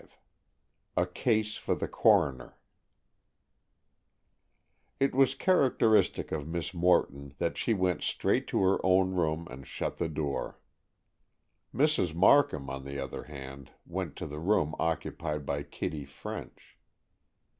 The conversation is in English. V A CASE FOR THE CORONER It was characteristic of Miss Morton that she went straight to her own room and shut the door. Mrs. Markham, on the other hand, went to the room occupied by Kitty French.